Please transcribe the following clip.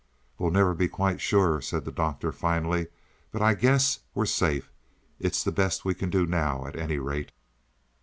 "We'll never be quite sure," said the Doctor finally, "but I guess we're safe. It's the best we can do now, at any rate."